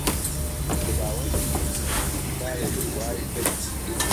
خوداوهندی میری مهزن کارێکی وای کرد